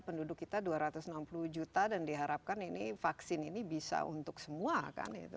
penduduk kita dua ratus enam puluh juta dan diharapkan ini vaksin ini bisa untuk semua kan gitu